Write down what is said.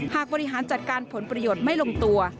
หากบริหารจัดการผลประโยชน์ไม่ลงตัว